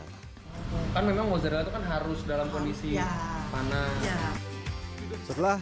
kan memang mozzarella itu kan harus dalam kondisi panas